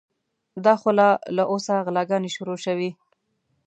دا خو لا له اوسه غلاګانې شروع شوې.